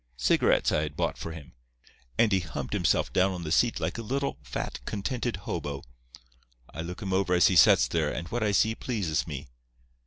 Cigarettes I had bought for him, and he humped himself down on the seat like a little, fat, contented hobo. I look him over as he sets there, and what I see pleases me.